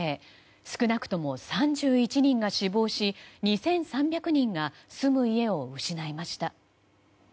少なくとも３１人が死亡し２３００人が住む家を失いました。